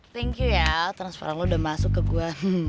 thank you ya transparan lo udah masuk ke gua